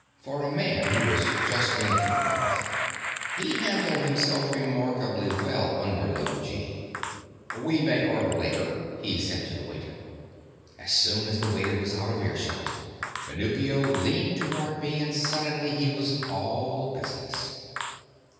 For a man who was just in from Earth, he handled himself remarkably well under low gee. "We may order later," he said to the waiter. As soon as the waiter was out of earshot, Venuccio leaned toward me, and suddenly he was all business.